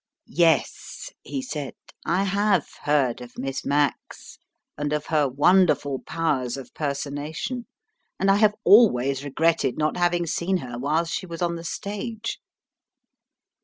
"Yes," he said, "I have heard of Miss Max, and of her wonderful powers of personation; and I have always regretted not having seen her while she was on the stage."